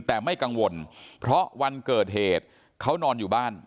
แต่ไม่กังวลเพราะวันเกิดเหตุเขานอนอยู่บ้าน